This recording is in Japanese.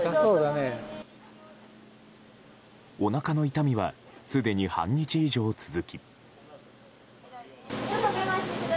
おなかの痛みはすでに半日以上続き。